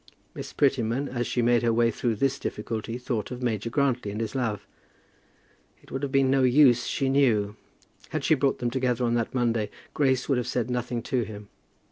Miss Prettyman, as she made her way through this difficulty, thought of Major Grantly and his love. It would have been of no use, she knew. Had she brought them together on that Monday, Grace would have said nothing to him.